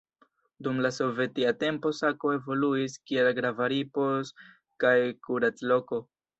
Dum la sovetia tempo Sako evoluis kiel grava ripoz- kaj kurac-loko.